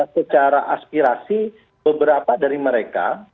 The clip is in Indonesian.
secara aspirasi beberapa dari mereka